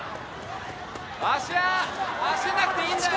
芦屋走んなくていいんだよ。